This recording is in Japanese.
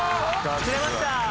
釣れました